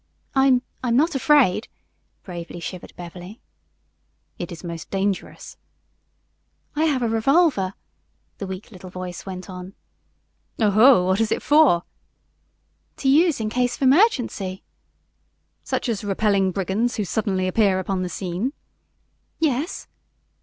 "I'm I'm not afraid," bravely shivered Beverly. "It is most dangerous." "I have a revolver," the weak little voice went on. "Oho! What is it for?" "To use in case of emergency." "Such as repelling brigands who suddenly appear upon the scene?" "Yes."